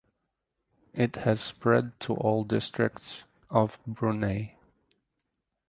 It has spread to all districts of Brunei.